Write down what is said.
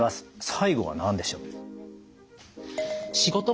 最後は何でしょう？